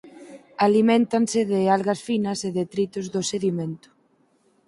Aliméntanse de algas finas e detritos do sedimento.